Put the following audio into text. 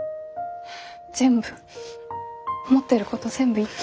全部思ってること全部言って。